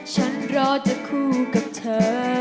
ฉันรอจะคู่กับเธอ